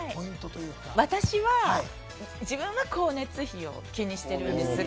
私は自分が光熱費を気にしているんです。